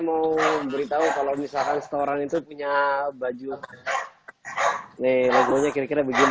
mau beritahu kalau misalkan setoran itu punya baju nih lagunya kira kira begini